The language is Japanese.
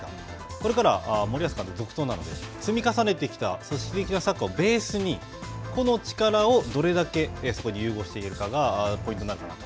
これからは、森保監督続投なので、積み重ねてきた組織的なサッカーをベースに個の力をどれだけそこに融合していけるかが、ポイントになるかなと。